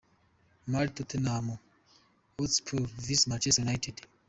Mar, Tottenham Hotspur vs Manchester United.